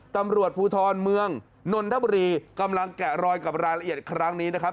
ตำรวจภูทรเมืองนนทบุรีกำลังแกะรอยกับรายละเอียดครั้งนี้นะครับ